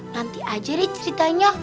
nanti aja ceritanya